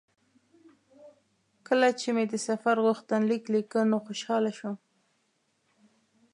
کله چې مې د سفر غوښتنلیک لیکه نو خوشاله شوم.